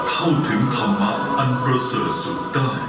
โซนถ้ำพุทธชาโดก